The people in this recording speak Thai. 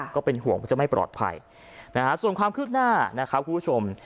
ก็เป็นห่วงว่าจะไม่ปลอดภัยนะฮะส่วนความคืบหน้านะครับคุณผู้ชม